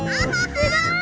すごい！